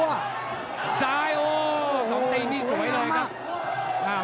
โหสองตีนี่สวยเลยครับ